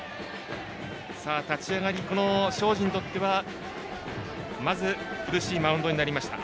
立ち上がり、庄司にとってはまず苦しいマウンドになりました。